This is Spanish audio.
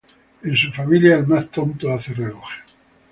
En su familia, el más tonto hace relojes